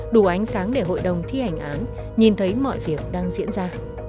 đủ ánh sáng để hội đồng thi hành án nhìn thấy mọi việc đang diễn ra